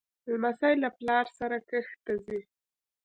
لمسی له پلار سره کښت ته ځي.